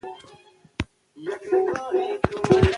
ازادي راډیو د بانکي نظام ته پام اړولی.